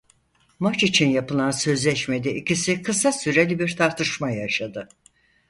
Maç için yapılan sözleşmede ikisi kısa süreli bir tartışma yaşadı.